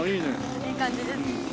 いい感じです。